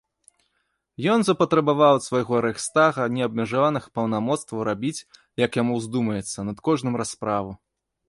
Ён запатрабаваў ад свайго рэйхстага неабмежаваных паўнамоцтваў рабіць, як яму ўздумаецца, над кожным расправу.